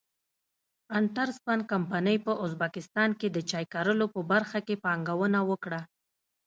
انټرسپن کمپنۍ په ازبکستان کې د چای کرلو په برخه کې پانګونه وکړه.